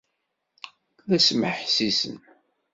La smeḥsisen.